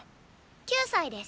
９歳です。